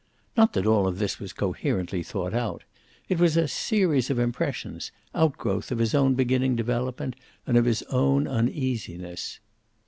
Not that all of this was coherently thought out. It was a series of impressions, outgrowth of his own beginning development and of his own uneasiness.